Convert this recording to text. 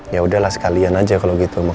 yaudah lah sekalian aja kalau gitu